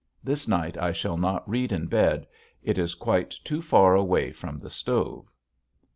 This night I shall not read in bed; it's quite too far away from the stove.